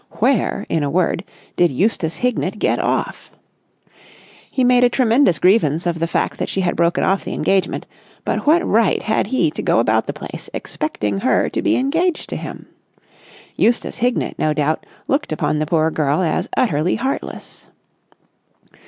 Where, in a word, did Eustace Hignett get off? He made a tremendous grievance of the fact that she had broken off the engagement, but what right had he to go about the place expecting her to be engaged to him? Eustace Hignett, no doubt, looked upon the poor girl as utterly heartless.